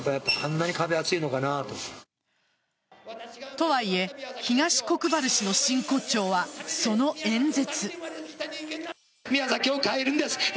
とはいえ東国原氏の真骨頂はその演説。